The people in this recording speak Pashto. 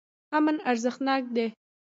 امن ارزښتناک دی.